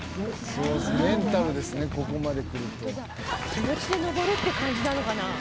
気持ちで登るって感じなのかな？